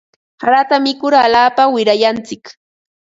Harata mikur alaapa wirayantsik.